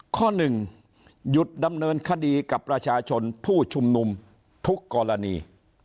ข้อหนึ่งหยุดดำเนินคดีกับประชาชนผู้ชุมนุมทุกกรณี